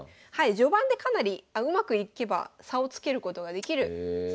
序盤でかなりうまくいけば差をつけることができる戦法でございます。